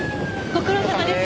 ご苦労さまです。